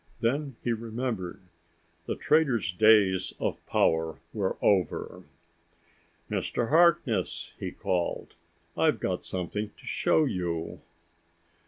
Then he remembered the trader's days of power were over. "Mr. Harkness," he called, "I've got something to show you."